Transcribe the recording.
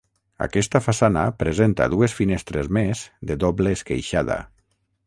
Aquesta façana presenta dues finestres més de doble esqueixada.